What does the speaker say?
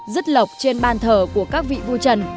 rất lộc trên ban thờ của các vị vua trần